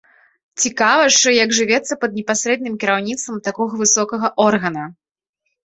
Цікава ж, як жывецца пад непасрэдным кіраўніцтвам такога высокага органа.